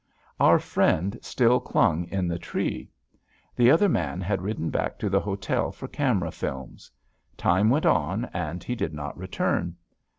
Our friend still clung in the tree. The other man had ridden back to the hotel for camera films. Time went on and he did not return.